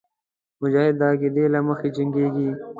مجاهد د عقیدې له مخې جنګېږي.